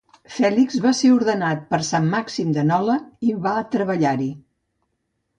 Félix va ser ordenat per Sant Màxim de Nola i va treballar-hi.